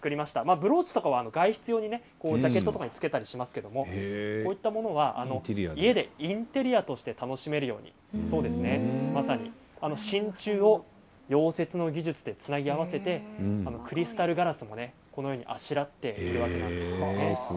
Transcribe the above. ブローチなどは外出用にジャケットとかに着けたりしますけど家でインテリアとして楽しめるようにしんちゅうを溶接の技術でつなぎ合わせてクリスタルガラスもこのようにあしらって。